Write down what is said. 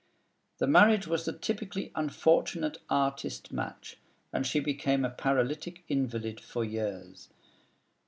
The marriage was the typically unfortunate artist match; and she became a paralytic invalid for years.